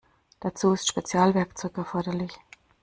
Dazu ist Spezialwerkzeug erforderlich.